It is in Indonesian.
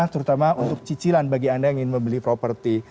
terutama untuk cicilan bagi anda yang ingin membeli properti